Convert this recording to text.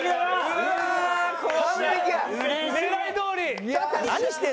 狙いどおり！